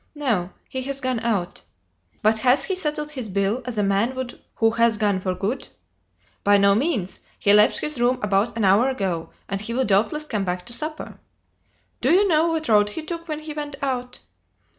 "No. He has gone out." "But has he settled his bill, as a man would who has gone for good?" "By no means; he left his room about an hour ago, and he will doubtless come back to supper." "Do you know what road he took when he went out?"